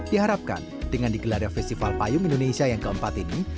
diharapkan dengan digelarnya festival payung indonesia yang keempat ini